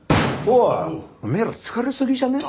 おめえら疲れすぎじゃね？